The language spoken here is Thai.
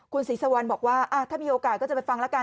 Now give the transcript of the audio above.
คุณศรีสุวรรณบอกว่าถ้ามีโอกาสก็จะไปฟังแล้วกัน